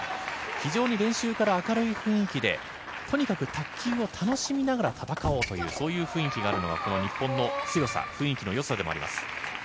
非常に練習から明るい雰囲気でとにかく卓球を楽しみながら戦おうという雰囲気があるのがこの日本の強さ雰囲気のよさでもあります。